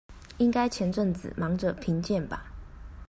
應該前陣子忙著評鑑吧